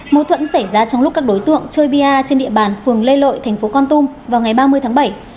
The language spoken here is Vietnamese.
mâu thuẫn xảy ra trong lúc các đối tượng chơi pa trên địa bàn phường lê lội tp con tum vào ngày ba mươi tháng bảy